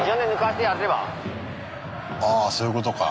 ああそういうことか。